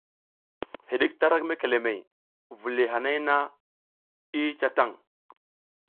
Hiɗik tarak mekelemehey, viliy hanay na i ca tan.